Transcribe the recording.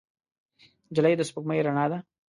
نجلۍ د سپوږمۍ رڼا ده.